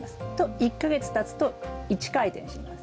１か月たつと１回転します。